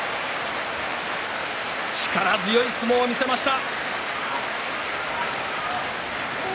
力強い相撲を見せました。